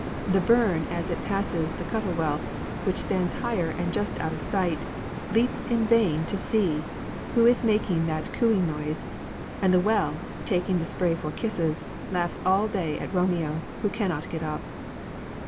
The burn as it passes the Cuttle Well, which stands higher and just out of sight, leaps in vain to see who is making that cooing noise, and the well, taking the spray for kisses, laughs all day at Romeo, who cannot get up.